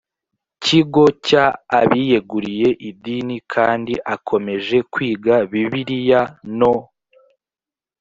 kigo cy abiyeguriye idini kandi akomeje kwiga bibiliya no